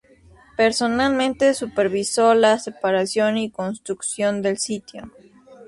Personalmente supervisó la preparación y construcción del sitio.